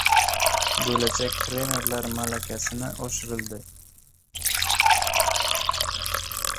Bo‘lajak trenerlar malakasi oshirildi